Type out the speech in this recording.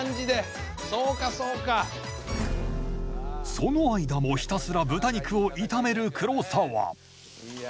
その間もひたすら豚肉を炒める黒沢いや。